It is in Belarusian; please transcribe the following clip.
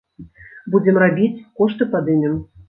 Будзем рабіць, кошты падымем.